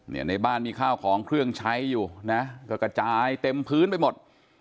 ในบ้านมีข้าวของเครื่องใช้อยู่นะก็กระจายเต็มพื้นไปหมด